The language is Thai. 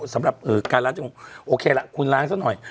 สำหรับการล้างจมูกโอเคละคุณล้างซะหน่อย